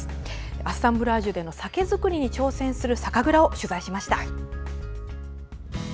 アッサンブラージュでの酒造りに挑戦する酒蔵を取材しました。